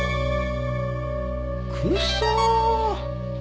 クソ！